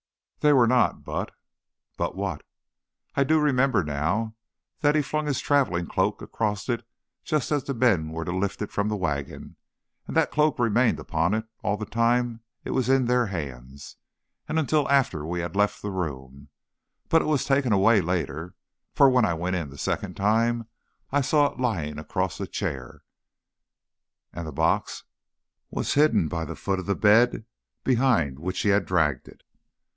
"They were not, but " "But what?" "I do remember, now, that he flung his traveling cloak across it just as the men went to lift it from the wagon, and that the cloak remained upon it all the time it was in their hands, and until after we had all left the room. But it was taken away later, for when I went in the second time, I saw it lying across the chair." "And the box?" "Was hidden by the foot of the bed behind which he had dragged it."